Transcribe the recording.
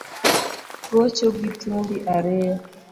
Gocho gi thuondi ariyo